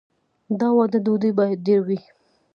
د واده ډوډۍ باید ډیره وي.